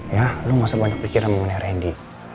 ya lo gak usah banyak pikiran mengenai randy